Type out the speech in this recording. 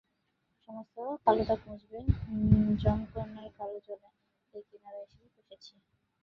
সমস্ত কালো দাগ মুছবে যমকন্যার কালো জলে, তারই কিনারায় এসে বসেছি।